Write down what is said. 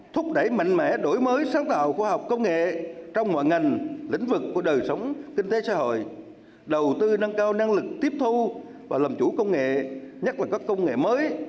thúc đẩy mạnh mẽ đổi mới sáng tạo khoa học công nghệ trong mọi ngành lĩnh vực của đời sống kinh tế xã hội đầu tư nâng cao năng lực tiếp thu và làm chủ công nghệ nhất là các công nghệ mới